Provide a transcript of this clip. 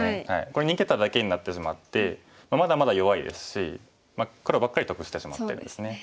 これ逃げただけになってしまってまだまだ弱いですし黒ばっかり得してしまってるんですね。